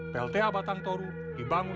plta batang toru dibangun